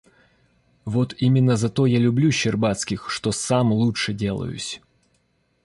Вот именно за то я люблю Щербацких, что сам лучше делаюсь.